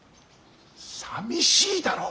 さみしいだろ！